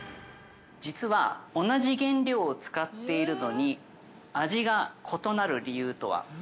◆実は同じ原料を使っているのに味が異なる理由とは？